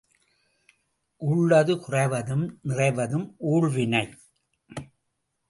உள்ளது குறைவதும் நிறைவதும் ஊழ்வினை.